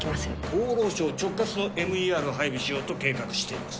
・厚労省直轄のＭＥＲを配備しようと計画しています